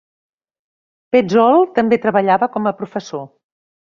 Petzold també treballava com a professor.